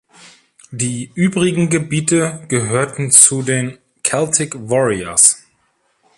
Die übrigen Gebiete gehörten zu den Celtic Warriors.